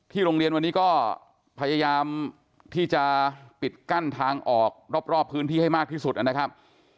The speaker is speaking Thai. โรงเรียนวันนี้ก็พยายามที่จะปิดกั้นทางออกรอบพื้นที่ให้มากที่สุดนะครับ